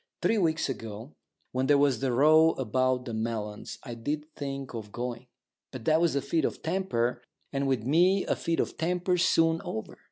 Three weeks ago, when there was that row about the melons, I did think of going. But that was a fit of temper, and with me a fit of temper's soon over.